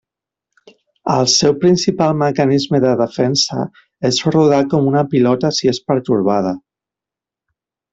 El seu principal mecanisme de defensa és rodar com una pilota si és pertorbada.